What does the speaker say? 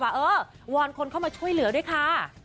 เออวอนคนเข้ามาช่วยเหลือด้วยค่ะ